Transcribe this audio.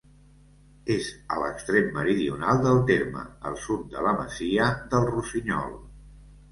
És a l'extrem meridional del terme, al sud de la masia del Rossinyol.